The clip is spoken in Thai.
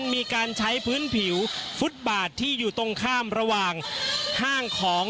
ผู้สื่อข่าวชนะทีวีจากฟิวเจอร์พาร์ครังสิตเลยนะคะ